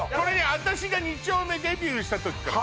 私が２丁目デビューした時から